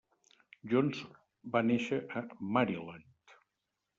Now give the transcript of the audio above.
Johnson va néixer a Maryland.